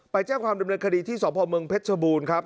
แจ้งความดำเนินคดีที่สพเมืองเพชรชบูรณ์ครับ